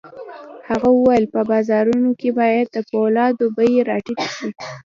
هغه وویل په بازارونو کې باید د پولادو بيې را ټیټې شي